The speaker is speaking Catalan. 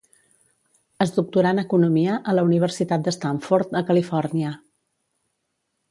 Es doctorà en economia a la Universitat de Stanford a Califòrnia.